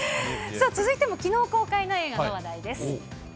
さあ、続いてもきのう公開の映画の話題です。